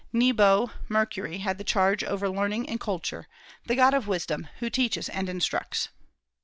Nebo (Mercury) had the charge over learning and culture, the god of wisdom, who "teaches and instructs."